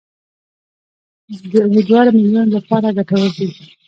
د امیندواره میرمنو لپاره ګټور دي.